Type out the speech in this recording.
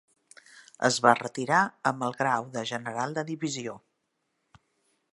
Es va retirar amb el grau de general de divisió.